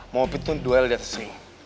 mau pintu duel dan sering